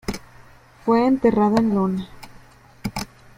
Fue enterrado en Iona.